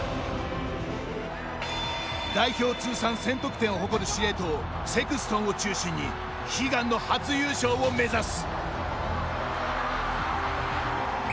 代表通算１０００得点を誇る司令塔、セクストンを中心に悲願の初優勝を目指す。